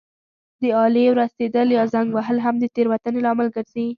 د آلې ورستېدل یا زنګ وهل هم د تېروتنې لامل ګرځي.